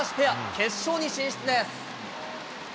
決勝に進出です。